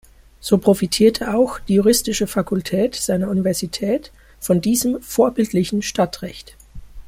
So profitierte auch die juristische Fakultät seiner Universität von diesem vorbildlichen Stadtrecht.